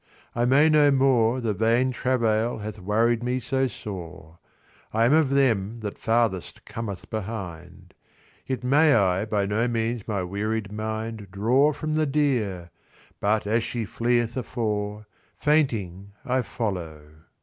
I may no more: [alas] The vain travail hath worried me so sore, I am of them that farthest cometh behind; Yet may I by no means my wearied mind Draw from the deer: but as she fleeth afore, Fainting I follow.